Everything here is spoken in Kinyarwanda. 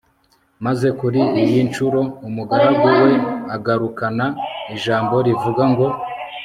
maze kuri iyi ncuro umugaragu we agarukana ijambo rivuga ngo